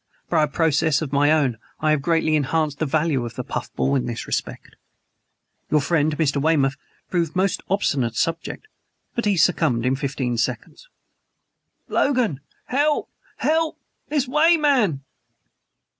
By a process of my own I have greatly enhanced the value of the puff ball in this respect. Your friend, Mr. Weymouth, proved the most obstinate subject; but he succumbed in fifteen seconds." "Logan! Help! HELP! This way, man!"